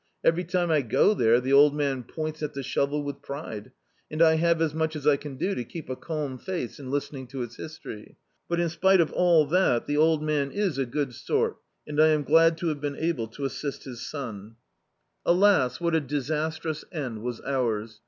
Every time I go there the old man points at the shovel with pride, and I have as much as I can do to keep a calm face in listening to its history. But in spite of all that the old man is a good sort, and I am glad to have been able to assist his son." t43l D,i.,.db, Google The Autobiography of a Super Tramp Alas, what a disastrous end was ours